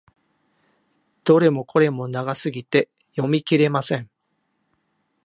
どれもこれも長すぎて読み切れません。